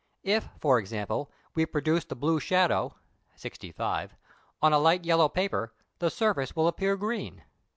If, for example, we produce the blue shadow (65) on a light yellow paper, the surface will appear green.